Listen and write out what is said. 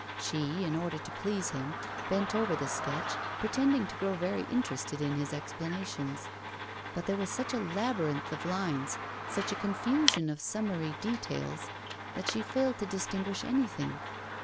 She, in order to please him, bent over the sketch, pretending to grow very interested in his explanations. But there was such a labyrinth of lines, such a confusion of summary details, that she failed to distinguish anything.